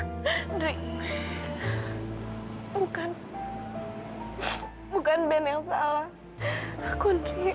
bukan bukan bener salah aku